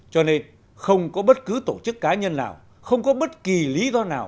cho nên không có bất cứ tổ chức cá nhân nào không có bất kỳ lý do nào